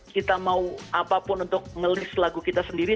kita mau apapun untuk ngelist lagu kita sendiri